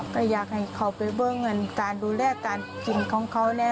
ไปให้เขาไปเบิ้ลเงินการดูแลการจินของเขาแน่